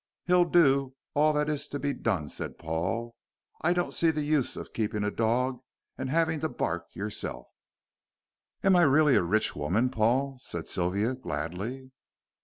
"He'll do all that is to be done," said Paul. "I don't see the use of keeping a dog and having to bark yourself." "And I'm really a rich woman, Paul," said Sylvia, gladly.